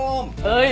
はい。